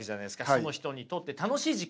その人にとって楽しい時間。